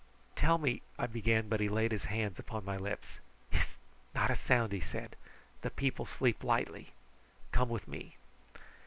"Tell me," I began; but he laid his hand upon my lips. "Hist! not a sound," he said. "The people sleep lightly; come with me."